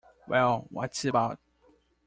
Well, what's it about?